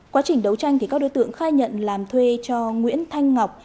quá trình đấu tranh thì các đối tượng khai nhận làm thuê cho nguyễn thanh ngọc